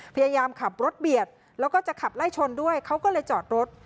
พยายามขับรถเบียดแล้วก็จะขับไล่ชนด้วยเขาก็เลยจอดรถ